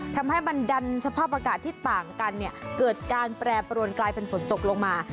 ทำให้บันดันสภาพอากาศที่ต่างกันเนี่ยเกิดการแปรปรวนกลายเป็นฝนตกลงมา